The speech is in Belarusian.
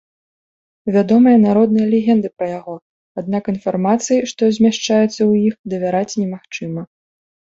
Вядомыя народныя легенды пра яго, аднак інфармацыі, што змяшчаецца ў іх, давяраць немагчыма.